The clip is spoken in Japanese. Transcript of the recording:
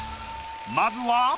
まずは。